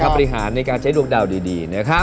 ประหารในการใช้ดวงดาวดี